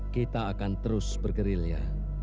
kita akan terus bergerilya